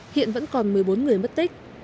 hiện vẫn còn một mươi bốn người mất tích